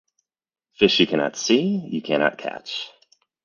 Fish you cannot see, you cannot catch.